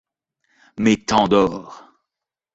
Mais tant d’or !